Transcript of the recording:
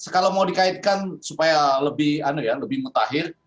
kalau mau dikaitkan supaya lebih mutakhir